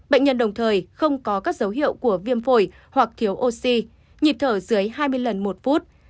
bệnh nhân đồng thời không có các dấu hiệu của viêm phổi hoặc thiếu oxy nhịp thở dưới hai mươi lần một phút